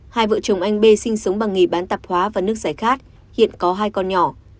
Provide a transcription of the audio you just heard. hai vợ chồng anh b sinh sống bằng nghề bán tạp hóa và nước giải khát hiện có hai con nhỏ